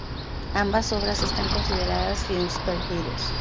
Ambas obras están consideradas films perdidos.